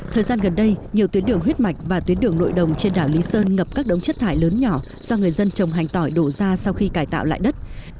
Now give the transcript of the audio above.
thời gian gần đây nhiều tuyến đường huyết mạch và tuyến đường nội đồng trên đảo lý sơn ngập các đống chất thải lớn nhỏ do người dân trồng hành tỏi đổ ra sau khi cải tạo lại đất